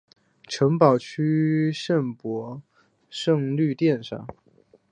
城堡区圣伯多禄圣殿上。